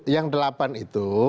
yang delapan itu